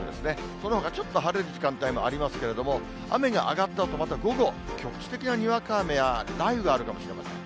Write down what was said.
そのほかちょっと晴れる時間帯もありますけれども、雨が上がったあと、また午後、局地的なにわか雨や雷雨があるかもしれません。